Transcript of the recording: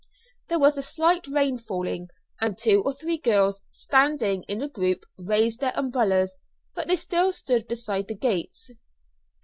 There was a slight rain falling, and two or three girls standing in a group raised their umbrellas, but they still stood beside the gates.